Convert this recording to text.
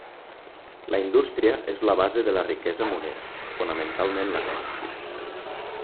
La indústria és la base de la riquesa murera, fonamentalment la tèxtil.